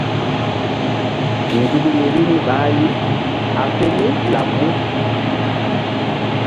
Nzukri vbi ni ɓahri a fe mí laɓ mu?